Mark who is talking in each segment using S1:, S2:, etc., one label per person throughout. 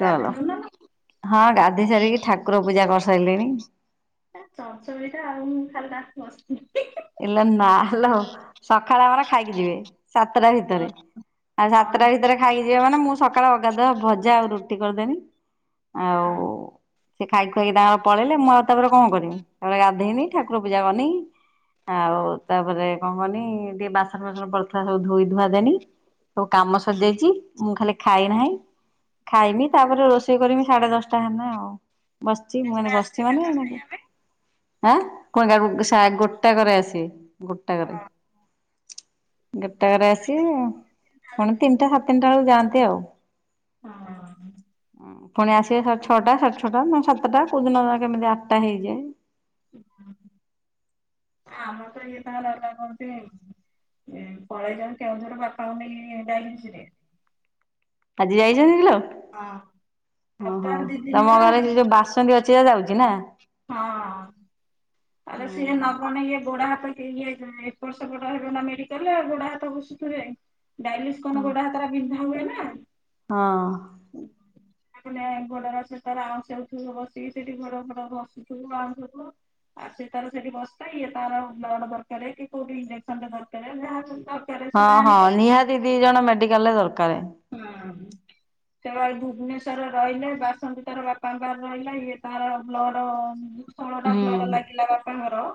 S1: ଗାଧେଇଲୁ ନା
S2: ହଁ ଗାଧୋଇ ସାରିକି ଠାକୁର ପୂଜା କରିସାରିଲିଣି।
S1: [unintelligible]
S2: ଇଲ ନାଲ ସକାଳେ ଆମର ଖାଇକି ଯିବେ। ସାତଟା ଭିତରେ ଆଉ
S1: ହଁ
S2: ସାତଟା ଭିତରେ ଖାଇଯିବା ମାନେ ମୁଁ ସକାଳେ ଅଗାଧୁଆ ଭଜା ଆଉ ରୁଟି କରିଦେବି। ଆଉ
S1: ହଁ
S2: ସେ ଖାଇ ଖୁଆକି ତାଙ୍କର ପଳେଇଲେ ମୁଁ ଆଉ ତାପରେ କଣ କରିବି ତା ଗାଧୋଇନି
S1: ସେଇଆ
S2: ଠାକୁର ପୂଜା କରିନି। ଆଉ
S1: ହଁ
S2: ତାପରେ କଣ କନି ଟିକେ ବାସନ ଫାସନ ପଡଥିଲା ସବୁ ଧୋଇ ଧୁଆ ଦେନି। ସବୁ କାମ ସରିଜାଇଛି ମୁଁ ଖାଲି ଖାଇ ନାହିଁ। ଖାଇମି ତାପରେ ରୋଷେଇ କରି ମି ସାଢେ ଦଶଟା ହେଲେ ଆଉ। ବସଚି
S1: ସେ
S2: ମୁଁ
S1: ପୁଣି
S2: ଏଇନେ ବସିଛି
S1: ଆସିବେ
S2: ମାନେ ଏ
S1: କେତେବେଳେ ଖାଇବା ପାଇଁ?
S2: ଆଁ କଣ କା ସାର ଗୋଟା କରେ ଆସିବେ ଗୋଟାକ ରେ।
S1: ହଁ
S2: ଗୋଟାକରେ
S1: ଆସିକି
S2: ଅସିବେ। ପୁଣି
S1: ଖାଇଦେଇକି
S2: ତିିନଟା ସାଢ଼େ ତିନଟା ବେଳ ଯାଆନ୍ତି ଆଉ।
S1: ହଁ।
S2: ପୁଣି ଆସେ ସାଢେ ଛଅଟା ସାଢେ ଛଅଟା ସାତଟା କଉ ଦିନ କେମିତି ଆଠଟା ହେଇଯାଏ।
S1: [unintelligible] ପଳେଇ ଯାଉ କେଉଁଝର ବାପା କୁ ନେଇ ଡାଇଲିସ ରେ।
S2: ଆଜି ଯାଇଚନ୍ତି କିଲ?
S1: ହଁ ସପ୍ତାହରେ ଦି ଦିନି ବା
S2: ତମ ଘରେ ସେ ଯୋଉ ବାସ [unintelligible] ଯାଉଚି ନା।
S1: ହଁ। ଆରେ ସିଏ
S2: ହଁ
S1: ନବନେଇ ଇ ଗୋଡା ହାତ ଇଏ ଏପଟ ସେପଟ ହେବ ନା ମେଡାଲରେ ଗୋଡା ହାତ ଘଷୁଥିବେ। ଡାଇଲିସ୍ କନ ଗୋଡା ହାତାରା ବିନ୍ଧା ହୁଏ ନା।
S2: ହଁ।
S1: [unintelligible] ବସିୁଥିବୁ ଆଣୁଥିବୁ ଆଉ ସେ ତାର ସେଠି ବସ୍ ଥାଏ ତାର ବ୍ଲଡ ଦରକାର କି କୋଉଠି ଇଞ୍ଜେକ୍ସନ ଟେ ଦରକାର ଯାହା ରେ
S2: ହଁ
S1: ସେଟା
S2: ହଁ
S1: ଆଣିଲେ।
S2: ନିହାତି ଦି ଜଣ ମେଡିକାଲ ରେ ଦରକାରେ।
S1: ହଁ। ସେଭଳି ଭୁବନେଶ୍ୱରରେ ରହିଲେ ବାସନ୍ତ ତାର ବାପାଙ୍କ ପାଖରେ ରହିଲେ ଇଏ ତାର ବ୍ଲଡ ଷୋଳଟା
S2: ହୁଁ
S1: ବ୍ଲଡ ଲାଗିଲା ବାପଙ୍କର।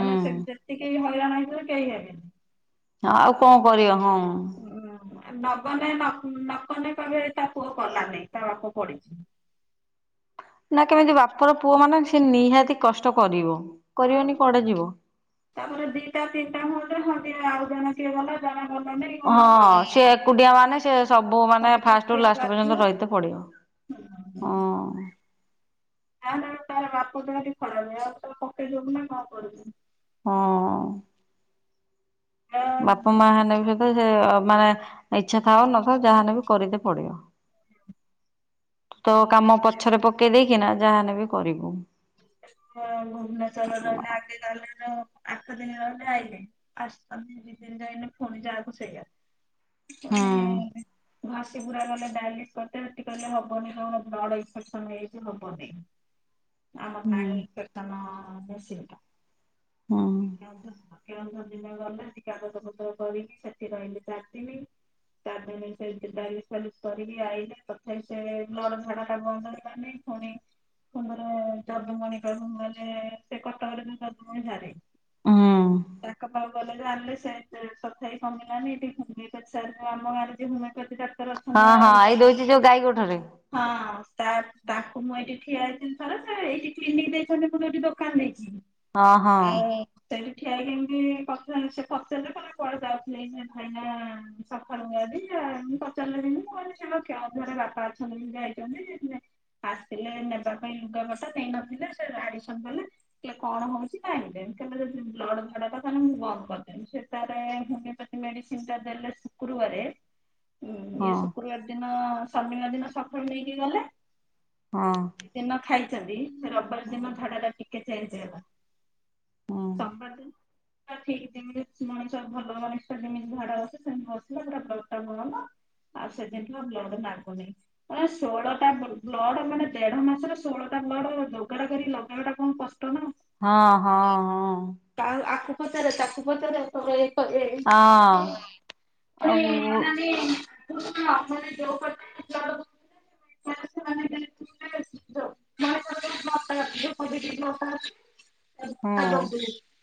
S1: ମାନେ ସେ ଯେତିକି ହଇରାଣ ହେଇଥିବ କେହି ହେବନି।
S2: ଆଉ କଣ କରିବା ହଁ।
S1: ନଗନ ନକଲେ କହିବେ ତା ପୁଅ କଲାନାଇଁ ତା ବାପ ପଡିଚି।
S2: ନା କେମିତି ବାପର ପୁଅ ମାନେ ସେ ନିହାତି କଷ୍ଟ କରିବ।
S1: ଆଉ
S2: କରିବନି କୁଆଡେ ଯିବ।
S1: ତାପରେ ଦିଟା ତିନିଟା [inaudible] ଆଉ ଜଣେ କିଏ ଗଲା ଜଣେ ଗଲାନି କଣ
S2: ହଁ
S1: ଅଲଗା
S2: ସେ ଏକୁଟିଆ ମାନେ ସେ ସବୁ ମାନେ ଫାଷ୍ଟରୁ
S1: ପକେଇବାକୁ
S2: ଲାଷ୍ଟ
S1: ବାଧ୍ୟ।
S2: ପର୍ଯ୍ୟନ୍ତ ରହିଥ ପଡ଼ିିବ।
S1: [inaudible]
S2: ହଁ।
S1: ଆ
S2: ବାପ ମା ହେନେ ବି ସହିତ ସେ ମାନେ ଇଛା ଥାଉ ନଥାଉ ଯାହାହେଲେ ବି କରିତେ ପଡିବ।
S1: [inaudible]
S2: ତୁ ତୋ କାମ ପଛରେ ପକେଇ ଦେଇକିନା ଯାହେନେ ବି କରିବୁ।
S1: ହଁ ଭୁବନେଶ୍ୱର ରହିଲେ [inaudible] ଆଠ ଦିନ ରହିଲେ ଆଇଲେ [unintelligible] ଦି ଦିନ ଯାଇନି ଫୁଣି ଯାହାକୁ ସେଇଆ।
S2: ହୁଁ
S1: [unintelligible] ଘସି ପୁରା କଲେ ଡାଇଲିସ୍ [unintelligible] ସେଠି କହିଲେ ହବନି ତମର ବ୍ଲଡ ଇନଫେକ୍ସନ ହେଇ ଯାଇଚି ହବନି। ଆମ
S2: ହୁଁ
S1: ପାଣି [inaudible] ଦିନ ଗଲା
S2: ହୁଁ।
S1: ସେ କାଗଜ ପତ୍ର କରିକି ସେଠି [unintelligible] ଚାରିିଦିନି। ଚାର ଦିନ ସେଇଠି ଡାଇଲିସ୍ ଫାଇଲିସ୍ କରିକି ଆଇଲେ ତଥାପି ସେ ବ୍ଲଡ ଝାଡାଟା ବନ୍ଦ ହେ ଲା ନେଇଁ ଫୁଣି ଫୁଣି ଥରେ ଯଦୁମଣି ପାଖୁକୁ ଗଲେ, ସେ କଟକ ରେ ଯୋଉ ଯଦୁମଣି ସାରେ
S2: ହୁଁ
S1: ତାଙ୍କ ପାଖୁ ଗଲେ ଜାଣିଲେ ସେମତି ତଥାବି କମିଲାନି ଏଠି ହୁମେପାତି ସାର୍ ଙ୍କ ଆମ ଗାଁରେ ଜିଏ ହୁମେପାତି ଡା କ୍ତର
S2: ହଁ ହଁ ଏଇ ଦଉଛି
S1: ଅଛନ୍ତି
S2: ଯୋଉ ଗାଈ ଗୋଠରେ
S1: ହଁ ତା ତାକୁ ମୁଁ ଏଇଠି ଠିଆ ହେଇଥିଲି ତାର ସେ ଏଇଠି କ୍ଲିନିକ୍ ଦେଇଛନ୍ତି ମୁଁ ଯୋଉଠି ଦୋକାନ୍ ଦେଇଚି,
S2: ହଁ ହଁ।
S1: ଆଉ ସେଇଠି ଠିଆ ହେଇକି ଏମ୍ତି ପଚା ସେ ପଚାରିଲେ ତମେ କୁଆଡେ ଯାଉଥିଲେ ଭାଇନା। ସଖାଳୁ [inaudible] ପଚାରିଲେ ଯେନ୍ତି ମୁଁ କହିଲି କେଉଁଝର ରେ ବାପା ଅଛନ୍ତି ବୋଲି ଯାଇଚନ୍ତି [unintelligible] ଆସିଥିଲେ ନେବା ପାଇଁ ଲୁଗା ପଟା ନେଇ ନଥିଲେ ସେ ଆଡ଼ମିଶନ କଲେ। କଇଲେ କଣ ହଉଚି ନା [unintelligible] ବ୍ଲଡ୍ ଝାଡାଟା ତାନେ ମୁଁ ବନ୍ଦ କରିଦେବି, ସେଟାରେ ହୁମେପାତି ମେଡିସିନ୍ ଟା ଦେଲେ ଶୁକୁରୁବାରେ ହୁଁ ଇଏ
S2: ହଁ
S1: ଶୁକୁରୁବାର ଦିନ ଶନିବାର ଦିନ ସଖାଳୁ ନେଇକି ଗଲେ
S2: ହଁ।
S1: ଦିନ ଖାଇଚନ୍ତି, ରବିବାର
S2: ହଁ
S1: ଦିନ ଝାଡ଼ାଟା ଟିକେ ଚେଞ୍ଜ ହେଲା।
S2: ହଁ
S1: ସୋମବାର ଦିନ ଠିକ୍ ଯେମିତି ମଣିଷ ଭଲ ମଣିଷ ଯେମିତି ଝାଡ଼ା ବସେ ସେମିତି ବସିଲା ପୁରା ବ୍ଲଡ଼ ଟା ବନ୍ଦ। ଆଉ ସେ ଦିନୁଠୁ ବ୍ଲଡ୍ ନାଗୁନେଇଁ, ମଲା ଷୋଳଟା ବ୍ଲ ବ୍ଲଡ୍ ମାନେ ଦେଢ ମା ସରେ ଷୋଳଟା ବ୍ଲଡ଼ ଯୋଗାଡ଼ କରିକି ଲଗେଇବା ଟା କମ କଷ୍ଟ ନା।
S2: ହଁ-ହଁ-ହଁ।
S1: କା ଆକୁ ପଚରେ ତାକୁ ପଚରେ ତମେ ଏଇ କ
S2: ହଁ
S1: ଏଇ-ଏଇ-ଏଇ
S2: ଆଉ
S1: ଅନାନି
S2: ହଁ।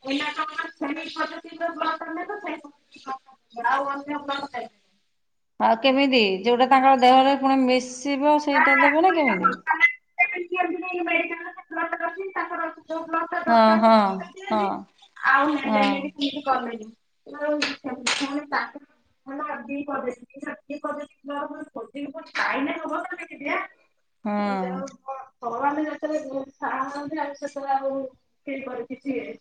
S1: [inaudible] [inaudible] [inaudible]
S2: ଆଉ କେମିତି ଯୋଉଟା ତାଙ୍କର ଦେହରେ ପୁଣି ମିଶିବ ସେଇଟା ଦେବେ ନା କେମିତି?
S1: [inaudible] ତାଙ୍କର
S2: ହଁ ହଁ
S1: ଯୋଉ
S2: ହଁ ହଁ
S1: ବ୍ଲଡ୍ [inaudible] [inaudible] ହେଲା ବି ପଜେଟିଭ୍, ଇରେ ବି ପଜେଟିଭ୍ ବ୍ଲଡ ଫୁଣି ଖୋଜିକି ପାଇଲେ ହବ ନା। [inaudible] ଭଗବାନ୍ ଯେତେବେଳେ ଉମ୍ ସାହା ହୁଅନ୍ତି ଆଉ ସେତେବେଳେ ଆଉ କି କର କିଛି ଏଇ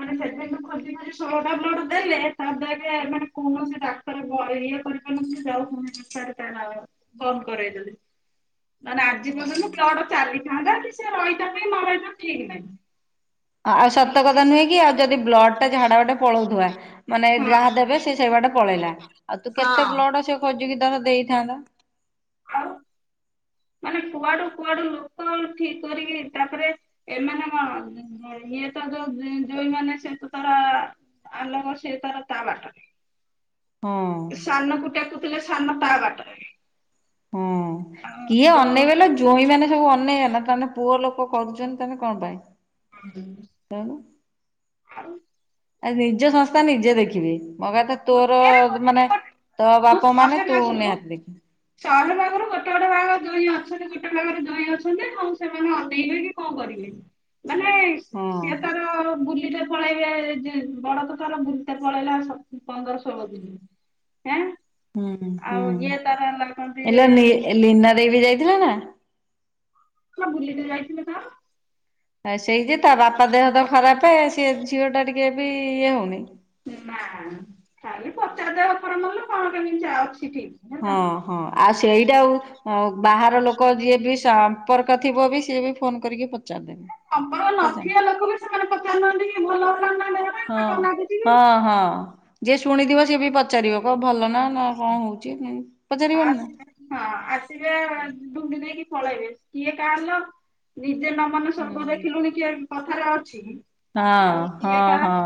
S1: ମାନେ ସେଦିନୁ ଖୋଜି ଖୋଜି ଷୋଳଟା ବ୍ଲଡ ଦେଲେ, ତାଦ୍ୱାରା କି ମାନେ କୌଣସିଟା ତା ପରେ ଘରେ ଇଏ କରିପାରୁ ନଥିଲେ ଥାଉ ପୁଣି ତାର ତା ବନ୍ଦ କରେଇଦେଲି। ତାହାନେ ଆଜି ପର୍ଯ୍ୟନ୍ତ
S2: ହଁ।
S1: ବ୍ଲଡ ଚାଲିଥାନ୍ତା କି ସେ ରଇଥାନ୍ତେ କି ନ ରଇଥାନ୍ତା ଠିକି ନାହିଁ।
S2: ଆଉ ସତକଥା ନୁହେ କି, ଆଉ ଯଦି ବ୍ଲଡଟା ଝାଡା ବାଟେ ପଳଉଥିବା ମାନେ
S1: ହଁ
S2: ଯାହା ଦେବେ ସେ ସେଇ ବାଟେ ପଳେଇଲା। ଆଉ ତୁ
S1: ହଁ।
S2: କେତେ ବ୍ଲଡ ସେ ଖୋଜିକି ଧର ଦେଇଥାନ୍ତା।
S1: ଆଉ ମାନେ କୁଆଡୁ କୁଆଡୁ ଲୋକ ଠିକ କରିକି, ତାପରେ ଏମାନେ କଣ ଇଏ ତ ଯୋଉ ଜୋଇଁମାନେ ସେ ତ ତାର ଆଲୋକ ସିଏ ତାର ତା ବାଟରେ
S2: ହଁ
S1: ସାନକୁ ଟେକୁଥିଲେ, ସାନ ତା ବାଟରେ।
S2: ହଁ,
S1: ଆଉ
S2: କିଏ
S1: ଯୋଉ
S2: ଅନେଇବେ ଲୋ ଜୋଇଁମାନେ ସବୁ ଅନେଇବେ ନା, ତାହେନେ ପୁଅ ଲୋକ କରୁଛନ୍ତି ତାହେନେ କଣ ପାଇଁ?
S1: ହୁଁ।
S2: କଣ?
S1: ଆଉ
S2: ଆରେ ନିଜ ସଂସ୍ଥା ନିଜେ ଦେଖିବେ। ମୋ କହିଆକଥା ତୋର
S1: ଗୋଟିଏରେ ଗୋଟିଏ
S2: ମାନେ
S1: ଗୋଟିଏ
S2: ତୋ
S1: ମୁଁ
S2: ବାପା ମାନେ
S1: ଶହେ
S2: ତୁ
S1: ଭାଗରୁ
S2: ନିହାତି ଦେଖିବୁ।
S1: ଶହେ ଭାଗରୁ ଗୋଟେ ଗୋଟେ ଭାଗ ଜୋଇଁ ଅଛନ୍ତି ଗୋଟେ ଭାଗରେ ଜୋଇଁ ଅଛନ୍ତି, ହଉ ସେମାନେ ଅନେଇବେ କି କଣ କରିବେ? ମାନେ
S2: ହଁ
S1: ସିଏ ତାର ବୁଲିତେ ପଳେଇବେ, ଯେ ବଡ ତ ତାର ବୁଲିିତେ ପଳେଇଲା ସ ପନ୍ଦର ଷୋହଳ ଦିନି। ଏଁ?
S2: ହୁଁ
S1: ଆଉ ଇଏ ତାର ଏମାନେ କଣ ତି
S2: ଲିନା ଦେଇ ବି ଯାଇଥିଲା ନା?
S1: ହଁ, ବୁଲିତେ ଯାଇଥିଲେ ତ।
S2: ଏ ସେଇଟି ତା ବାପା ଦେହ ତ ଖରାପେ ସେ ଝିଅଟା ଟିକେ ବି ଇଏ ହଉନେଇ।
S1: ନା, ଖାଲି ପଚାର ଦବ ଉପର ମହଲ କଣ କେମିତି ଅଛି ଠିକ। ହେଲା
S2: ହଁ, ହଁ। ଆଉ ସେଇଟା ଆଉ ଆଉ ବାହାର ଲୋକ ଯିଏ ବି ସମ୍ପର୍କ ଥିବ ବି ସିଏ ବି ଫୋନ କରିକି ପଚାରିଦେବେ।
S1: ସମ୍ପର୍କ ନଥିବା ଲୋକ ବି ସେମାନେ ପଚାରୁନାହାଁନ୍ତି କି, ଭଲ ହେଲାଣି ନା ଦେହ
S2: ହଁ, ହଁ ହଁ। ଯିଏ ଶୁଣିଥିବ, ସିଏ ବି ପଚ ପଚାରିବ, କହିବ ଭଲନା, ନା କଣ ହଉଛି, ସେନ୍ତି ପଚାରିବନି ନା?
S1: ଆସିବେ ହଁ, ଆସିବେ ଡୁଙ୍ଗି ଦେଇକି ପଳେଇବେ, କିଏ କାହାର ଲୋ। ନିଜେ ନ ମନେ ସ୍ୱର୍ଗ
S2: ହୁଁ
S1: ଦେଖିଲୁଣି କିଏ କଥାରେ ଅଛି,
S2: ହଁ
S1: ଆଉ କିଏ
S2: ହଁ
S1: କାହାର।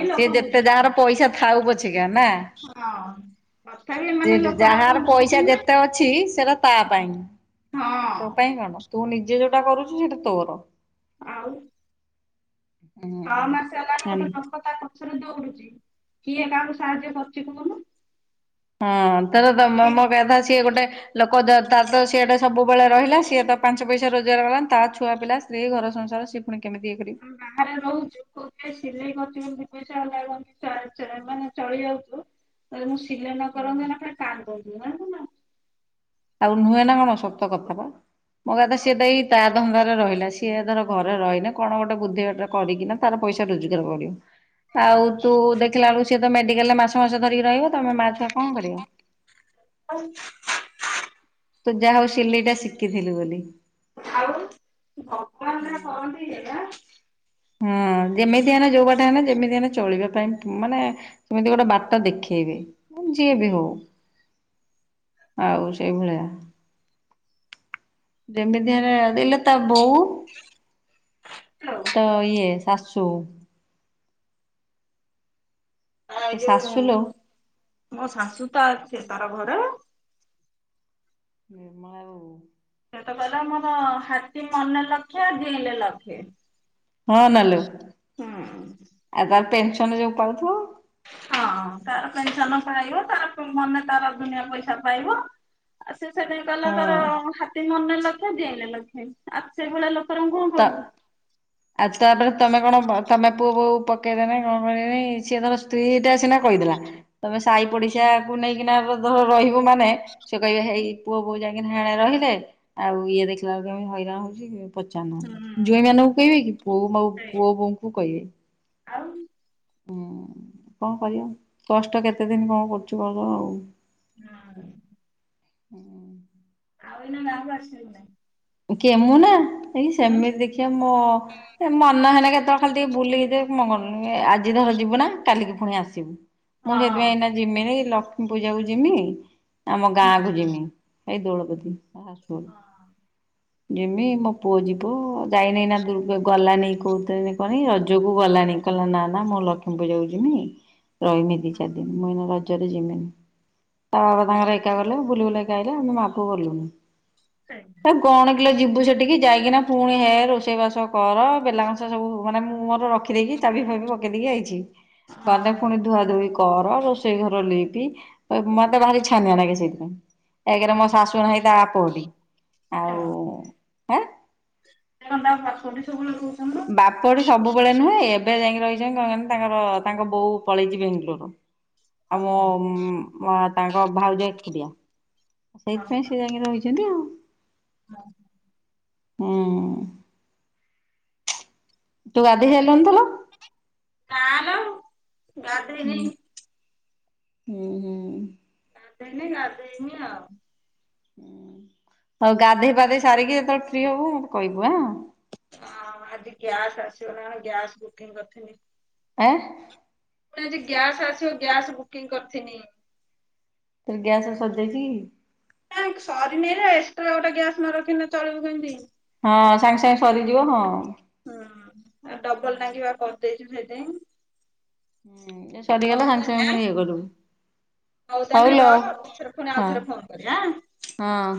S2: ହଁ ସିଏ
S1: ଲୋକ
S2: ଯେତେ ଯାହାର
S1: ବୁଝୁନାହାନ୍ତି
S2: ପଇସା ଥାଉ ପଛେ କି ନା?
S1: ହଁ। ତଥାବି ଏମାନେ ଲୋକରାକ କଣ
S2: ଯାହାର ପଇସା
S1: ବୁଝୁଛନ୍ତି ନା।
S2: ଯେତେ ଅଛି
S1: ହଁ।
S2: କାଇଁ କଣ, ତୁ ନିଜେ ଯୋଉଟା କରୁଛୁ ସେଇଟା ତୋର।
S1: ଆଉ
S2: ହୁଁ
S1: ଛଅ ମାସ ହେଲାଣି
S2: ହଁ
S1: ଗୋଟେ ଲୋକ ତା ପଛରେ ଦୌଡୁଛି, କିଏ କାହାକୁ ସାହାଯ୍ୟ କରୁଛି କହୁନୁ?
S2: ହଁ। ତ-ତ-ତାର
S1: କିଏ
S2: ମୋ କହିଆ କଥା ସିଏ ଗୋଟେ ଲୋକ ତ ତାର ସିଆଡ଼େ ସବୁବେଳେ ରହିଲା, ସିଏ ତ ପାଞ୍ଚ ପଇସା ରୋଜଗାର କଲାନି, ତା ଛୁଆପିଲା, ସ୍ତ୍ରୀ ଘର ସଂସାର ଫୁଣି କେମିତି ଇଏ କରିବ?
S1: ଆମେ ବାହାରେ ରହୁଛୁ, କୋଉ କିଏ ସିଲେଇ କରୁଚି ବୋଲି ଦିପଇସା ହେଲେ ମାନେ ଚା-ଚା ମାନେ ଚଳିଯାଉଛୁ। ଯଦି ମୁଁ ସିଲେଇ ନ କରନ୍ତି, ଏଇନା ଖାଲି କାନ୍ଦନ୍ତୁ। ଜାଣିଛୁନା?
S2: ଆଉ ନୁହେଁ ନା କଣ ସତ କଥା ପା ମୋ କହିବା କଥା ହେଲା ସିଏ ତ ଧନ୍ଦାରେ ରହିଲା। ସିଏ ଧର ଘରେ ରହିଲେ କଣ ଗୋଟେ ବୁଦ୍ଧି ବାଟ କରିକିନା ତାର ପଇସା ରୋଜଗାର କରିବ। ଆଉ ତୁ ଦେଖିଲା ବେଳକୁ ସିଏ ତ ମେଡିକାଲ ରେ ମାସ ମାସ ଧରିକି ରହିବ ତମେ ମା ଛୁଆ କଣ କରିବ।
S1: ଆଉ [inaudible]
S2: ତୁ ଯାହା ହଉ ସିଲେଇଟା ଶିଖିଥିଲୁ ବୋଲି।
S1: ଆଉ ଭଗବାନ ରେ ବନ୍ଦହେଇଗଲା।
S2: ହୁଁ ଯେମିତି ହେନେ ଯୋଉ ବାଟେ ହେଲେ ଯେମିତି ହେଲେ ଚଳିବେ କାହିଁ ମାନେ ସେମିତି ଗୋଟେ ବାଟ ଦେଖେଇବେ। ଯିଏ ବି ହଉ। ଆଉ ସେଇଭଳିଆ। ଯେମିତି ହେଲେ ଦେଲେ ତା ବୋଉ
S1: ହଲଉ [inaudible]
S2: ତ ଇଏ ଶାଶୁ।
S1: ଆ
S2: ତ
S1: ଯୋଉ।
S2: ଶାଶୁ ଲୋ
S1: ମୋ ଶାଶୁ ତା ସେ ତାର ଘରେ।
S2: ମୋ ଉ।
S1: ସେତ କହିଲା ମୋର ହାତୀ ମନେ ଲକ୍ଷେ ଜିଇଁଲେ ଲକ୍ଷେ।
S2: ହଁ ନାଲ
S1: ହୁଁ
S2: ଆଉ ତାର ପେନସନ ଯୋଉ ପାାରୁଥିବ।
S1: ହଁ ତାର ପେନସନ ପାଇବ। ତାର ମନେ ତାର ଦୁନିଆ ପଇସା ପାଇବ। ଆଉ ସେ ସେଠି ଗଲା ତାର
S2: ହଁ
S1: ହାତୀ ମନେ ଲକ୍ଷେ ଜିଇଲେ ଲକ୍ଷେ। ଆଉ ସେଇ ଭଳିଆ ଲୋକରା ଙ୍କୁ କନ
S2: ତ
S1: କହିବୁ।
S2: ଆଉ ତାପରେ ତମେ କଣ ତମେ ପୁଅ ବୋହୁ ପକେଇଦେନେ କନ କରିନେ ସିଏ ତାର ସ୍ତ୍ରୀ ଟା ସିନା କହିଦେଲା। ତମେ ସାାଇ ପଡିଶା କୁ ନେଇକିନା ଧରି ରହିବ ମାନେ ସେ କହିବେ ହେଇ ପୁଅ ବୋଉ ଯାଇକି ହେଣେ ରହିଲେ। ଆଉ ଇଏ ଦେଖିଲା ବେଳକୁ ହଇରାଣ ହଉଛି। ଚାନ
S1: ହୁଁ
S2: ଜୌଇ
S1: ହୁଁ
S2: ମାନଙ୍କୁ କହିବେ କି। ପୁଅ ବୋହୁ ଆଉ
S1: ସେଇଆ
S2: ପୁଅ ବୋଉଙ୍କୁ କହିବେ।
S1: ଆଉ।
S2: ହୁଁ କ କରିବା କଷ୍ଟ କେତେ ଦିନି କ କରୁଛି କରୁ ଆଉ।
S1: ହଁ [inaudible]
S2: ହୁଁ।
S1: ଆଉ ଏଇନା ଗାଁ କୁ ଆସି ବର ନାଇଁ।
S2: କିଏ ମୁ ନା ଏଇ ସେମିତି ଦେଖିବା ମୋ ଏ ମନ ହେନା କେତେବେଳେ ଖାଲି ଟିକେ ବୁଲିକି ମ ଆଜି ଧର ଯିବୁ ନା କାଲିିକି ପୁଣି ଆସିବୁ। ମୁଁ ସେଥିପାଇଁ
S1: ହଁ
S2: ଏଇନା ଯିମିିନି ଲକ୍ଷ୍ମୀ ପୂଜା କୁ ଯିମି ଆମ
S1: ହଁ
S2: ଗାଁ କୁ ଯିମି। ଆଇଦୋଳ ଦେଖି ଟା ଶାଶୁ ଘରକୁ।
S1: ହଁ।
S2: ଯିମି ମୋ ପୁଅ ଯିବ ଯାଇନି ନା ଦୁର୍ ଗଲାନି କହୁଥିଲିନ କହନି ରଜକୁ ଗଲାନି। କହିଲା ନା ନା ମୁଁ ଲକ୍ଷ୍ମୀପୂଜା କୁ ଯିମି। ରହିମି ଦି
S1: ହଁ।
S2: ଚାରି ଦିନ ମୁଇନା ରଜରେ ଯିମିନି। ତା ବାବା ତାଙ୍କର ଏକା ଗଲେ ବୁଲି ବୁଲାକି ସେ ଆଇଲେ। ଆମେ ମା ପୁଅ ଗଲୁନି।
S1: [inaudible]
S2: ତ କଣ କିଲୋ ଯିବୁ ସେଠିକି ଯାଇକିନା ପୁଣି ହେ ରୋଷେଇ ବାସ କର। ବେଲା କଂସା ସବୁ ମାନେ ମୁଁ ମୋର ରଖି ଖି ଦେଇକି ତା ବି ଫାବି ପକେଇ ଦେଇକି ଆଇଚି।
S1: ହଁ
S2: ଗଲେ ଫୁଣି ଧୁଆ ଧୁଇ କର ରୋଷେଇ ଘର ଲିପି ମତେ ଭାରି ଛାନିଆ ନାଗେ ସେଇଥିପାଇଁ। କାହିଁକି ନା ମୋ ଶାଶୁ ନାହିଁ ତା ବାପ ଘଟିକି ଆଉ
S1: ସୋରିଷ
S2: ହେଁ
S1: [inaudible]
S2: ବାପ ଘଡି ସବୁବେଳେ ନୁହେଁ ଏବେ ଯାଇଙ୍କି ରହିଛନ୍ତି ରହିଚନ୍ତି ତାଙ୍କର ତାଙ୍କ ବୋଉ ପଳେଇଚି ବେଙ୍ଗଲୋର୍। ଆମ ମ-ମ-ମା ତାଙ୍କ ଭାଉଜ ଏକୁଟିଆ। ସେଇଥିପାଇଁ ସେ ଯାଇକି ରହିଚି ଚନ୍ତି ଆଉ।
S1: ହଁ।
S2: ହୁଁ ତୁ ଗାଧେଇ ସାଇଲୁଣି ତ ନାଁ?
S1: ନାଁ ମ ଗାଧେଇନି।
S2: ଉହୁଁ।
S1: ଗାଧେଇନି ଗାଧେଇମି ଆଉ।
S2: ହଉ ଗାଧେଇ ପାଧେଇ ସାରିକି ଯେତେବେଳେ ଫ୍ରି ହବୁ କହିବୁ ଆଁ।
S1: ହଁ ଆଜି ଗ୍ୟାସ୍ ଆସିବ ନା ଗ୍ୟାସ୍ ବୁକିଂ କରିଥିନି।
S2: ଆଁ?
S1: ପୁଣି ଆଜି ଗ୍ୟାସ୍ ଆସିବ ଗ୍ୟାସ୍ ବୁକିଂ କରିିଥିନି।
S2: ତୋର ଗ୍ୟାସେ ସରିଯାଇଚି କି?
S1: ନାଁ ସରିନି ରେ ଏକ୍ସଟ୍ରା ଗୋଟେ ଗ୍ୟାସ୍ ନରଖିନେ ଚଳିବୁ କେମିତି।
S2: ହଁ ସାଙ୍ଗେ ସାଙ୍ଗେ ସରିଯିବ ହଁ।
S1: ହୁଁ ଆଉ ଡବଲ ଟାଙ୍କିବା କରିଦେଇଚୁ ସେଇଥିଆଇଁ।
S2: ହୁଁ ଯେ ସରିଗଲା
S1: ତାନେ
S2: ସାଙ୍ଗସାଙ୍ଗ୍ ପୁଣି ଇଏ କରୁ
S1: ହଉ ତାନେ ରହ ପଛରେ ଫୁଣି ଆଉ ଥରେ ଫୋନ କରିବା ଆଁ
S2: ହଁ।